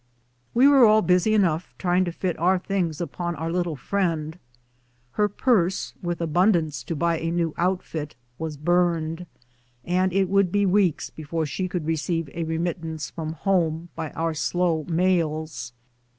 We were all busy enough trying to fit our tilings upon our little friend. Her purse, with abun dance to buy a new outfit, was burned, and it would be weeks before she could receive a remittance from home by our slow mails.